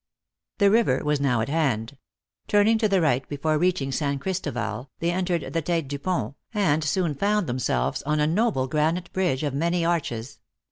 The river was now at hand. Turning to the right before reaching San Christoval, they entered the tete dupont, and soon found themselves on a noble granite bridge .of many arches.